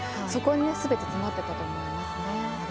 そこに、すべて詰まってたと思いますね。